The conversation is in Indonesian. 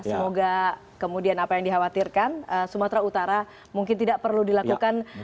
semoga kemudian apa yang dikhawatirkan sumatera utara mungkin tidak perlu dilakukan